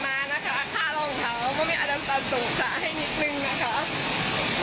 พารองเท้ามันไม่อดัมตาลสูงช้าให้นิดนึงนะคะ